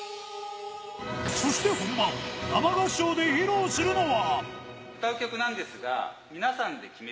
そして本番、生合唱で披露するのは。